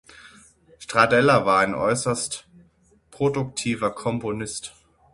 Stradella war ein äußerst produktiver Komponist.